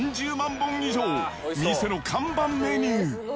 本以上、店の看板メニュー。